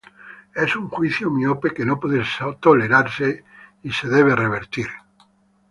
Es un juicio miope que no puede ser tolerado y debe ser revertido.